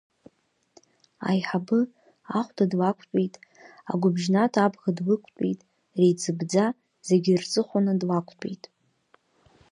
Аиҳабы ахәда длақәтәеит, агәбжьанытә абӷа длықәтәеит, реиҵыбӡа зегьы рҵыхәаны длақәтәеит.